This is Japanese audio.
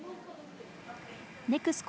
ＮＥＸＣＯ